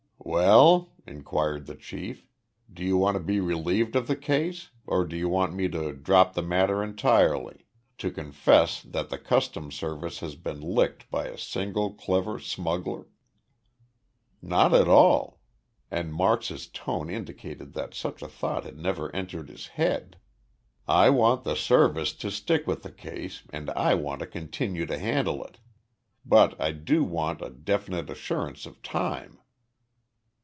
"Well," inquired the chief, "do you want to be relieved of the case or do you want me to drop the matter entirely to confess that the Customs Service has been licked by a single clever smuggler?" "Not at all!" and Marks's tone indicated that such a thought had never entered his head. "I want the Service to stick with the case and I want to continue to handle it. But I do want a definite assurance of time."